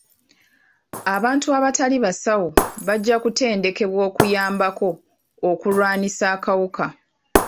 Abantu abatali basawo bajja kutendekebwa okuyambako okulwanisa akawuka.